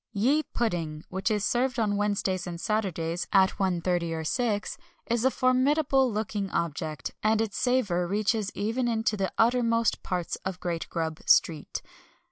Ye Pudding, which is served on Wednesdays and Saturdays, at 1.30 and 6.0, is a formidable looking object, and its savour reaches even into the uttermost parts of Great Grub Street.